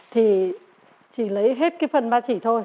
thì chỉ lấy hết cái phần ba chỉ thôi